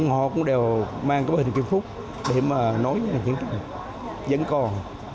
họ cũng đều mang cái bức hình kim phúc để mà nói với những người vẫn còn